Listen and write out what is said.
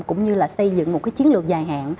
cũng như xây dựng một chiến lược dài hạn